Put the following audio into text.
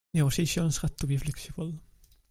Negotiations had to be flexible.